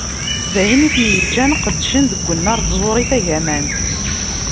D ayen i ten-yeǧǧan qeddcen deg unnar n tẓuri tagamant.